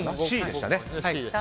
Ｃでしたね。